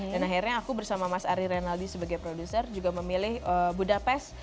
dan akhirnya aku bersama mas ari reynaldi sebagai produser juga memilih budapest